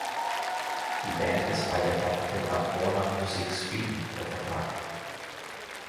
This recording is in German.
Die Band ist bei der Plattenfirma Warner Music Sweden unter Vertrag.